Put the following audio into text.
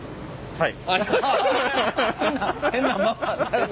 はい。